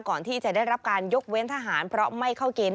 ก่อนที่จะได้รับการยกเว้นทหารเพราะไม่เข้าเกณฑ์